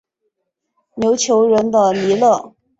琉球人的弥勒。